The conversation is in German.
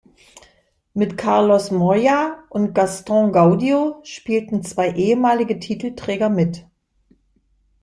Mit Carlos Moyá und Gastón Gaudio spielten zwei ehemalige Titelträger mit.